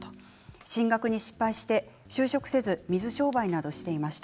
進学に失敗して就職をせず水商売などしていました。